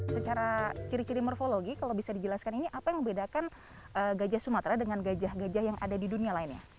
secara ciri ciri morfologi apakah yang membedakan gajah sumatera dari gajah gajah yang ada di dunia lainnya